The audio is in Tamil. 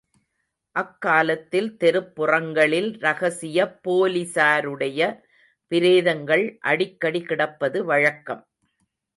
அக்காலத்தில் தெருப்புறங்களில் ரகசியப் போலிஸாருடைய பிரேதங்கள் அடிக்கடி கிடப்பது வழக்கம்.